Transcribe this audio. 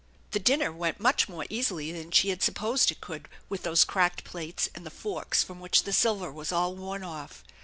The dinner went much more easily than she had supposed it could with those cracked plates, and the fork? from which the silver was all worn off.